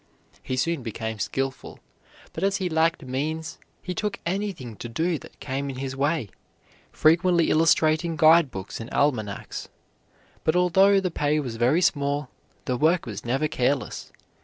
He soon became skilful, but as he lacked means he took anything to do that came in his way, frequently illustrating guide books and almanacs. But although the pay was very small the work was never careless.